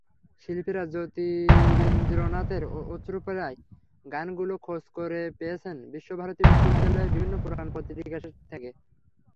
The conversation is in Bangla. শিল্পীরা জ্যোতিরিন্দ্রনাথের অশ্রুতপ্রায় গানগুলো খোঁজ করে পেয়েছেন বিশ্বভারতী বিশ্ববিদ্যালয়ে, বিভিন্ন পুরোনো পত্রিকা থেকে।